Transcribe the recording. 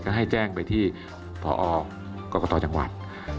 ก็ให้แจ้งไปที่พอกรกตจังหวัด